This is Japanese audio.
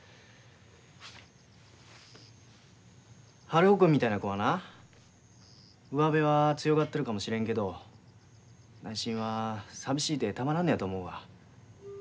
春男君みたいな子はなうわべは強がってるかもしれんけど内心は寂しいてたまらんのやと思うわ。